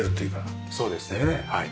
そうですねはい。